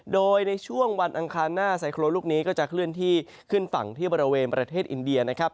โดยในช่วงวันอังคารหน้าไซโครนลูกนี้ก็จะเคลื่อนที่ขึ้นฝั่งที่บริเวณประเทศอินเดียนะครับ